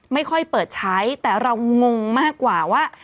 ไม่ค่อยเปิดใช้แต่เรางงมากกว่าว่า